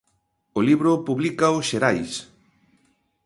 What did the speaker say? O libro publícao Xerais.